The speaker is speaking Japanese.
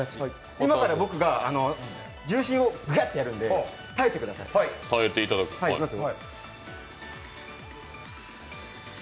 今から僕が重心をガッとやるんで耐えてください。いきすよ。